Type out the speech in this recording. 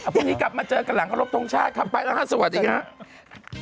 พรุ่งนี้กลับมาเจอกันหลังครบทรงชาติครับไปแล้วฮะสวัสดีครับ